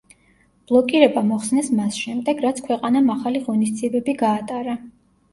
ბლოკირება მოხსნეს მას შემდეგ, რაც ქვეყანამ ახალი ღონისძიებები გაატარა.